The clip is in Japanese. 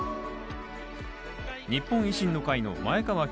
日本維新の会の前川